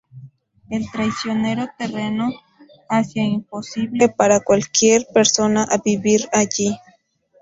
El traicionero terreno hace imposible para cualquier persona a vivir allí.